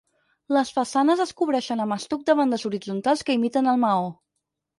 Les façanes es cobreixen amb estuc de bandes horitzontals que imiten el maó.